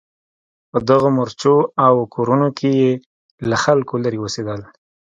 په دغو مورچو او کورونو کې یې له خلکو لرې اوسېدل.